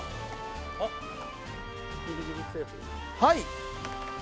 はい！